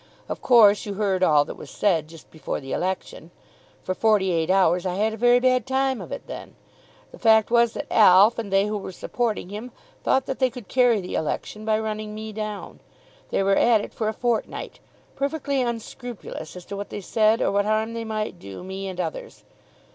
Of course you heard all that was said just before the election. For forty eight hours I had a very bad time of it then. The fact was that Alf and they who were supporting him thought that they could carry the election by running me down. They were at it for a fortnight, perfectly unscrupulous as to what they said or what harm they might do me and others.